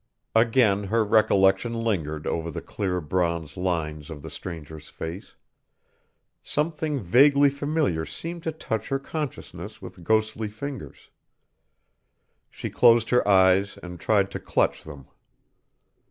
Again her recollection lingered over the clear bronze lines of the stranger's face. Something vaguely familiar seemed to touch her consciousness with ghostly fingers. She closed her eyes and tried to clutch them.